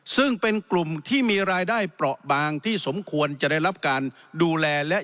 ซึ่งเป็นกลุ่มที่มีรายได้เปราะบางที่สมควรจะได้รับการดูแลและ